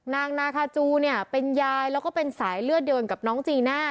นางนาคาจูเนี่ยเป็นยายแล้วก็เป็นสายเลือดเดียวกับน้องจีน่า